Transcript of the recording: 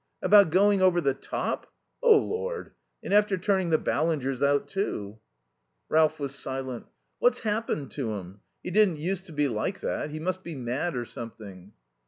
About going over the top? Oh, Lord! And after turning the Ballingers out, too." Ralph was silent. "What's happened to him? He didn't use to be like that. He must be mad, or something."